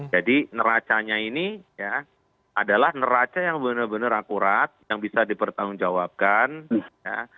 jadi neracanya ini ya adalah neraca yang benar benar akurat yang bisa dipertanggung jawabkan ya